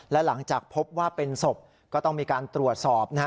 และหลังจากพบว่าเป็นศพก็ต้องมีการตรวจสอบนะฮะ